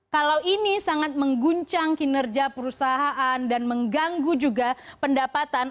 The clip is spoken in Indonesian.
kalau ini sangat mengguncang kinerja perusahaan dan mengganggu juga pendapatan